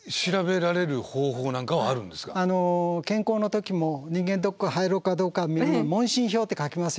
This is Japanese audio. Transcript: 健康の時も人間ドック入ろうかどうか問診票って書きますよね。